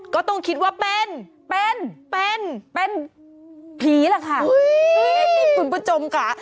ก็ต้องคิดว่าเป็นเป็นเป็นเป็นผีแหละค่ะอุ้ยนี่ปุ่นประจมกะ